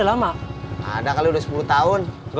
saya dulu bang